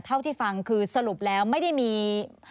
เท่าที่ฟังคือสรุปแล้วไม่ได้มี